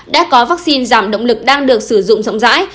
đã có vaccine giảm động lực đang được sử dụng rộng rãi